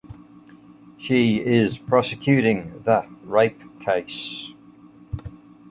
She is prosecuting the rape case.